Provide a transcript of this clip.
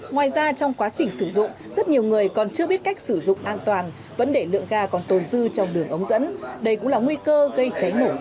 ngoài ra trong quá trình sử dụng rất nhiều người còn chưa biết cách sử dụng an toàn vấn đề lượng ga còn tồn dư trong đường ống dẫn đây cũng là nguy cơ gây cháy nổ rất lớn